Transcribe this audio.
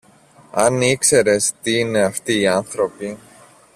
Αν ήξερες τι είναι αυτοί οι άνθρωποι!